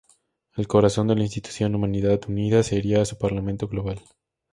El corazón de la institución Humanidad Unida sería su Parlamento Global.